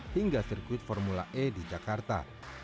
hingga sirkuit formula e di jakarta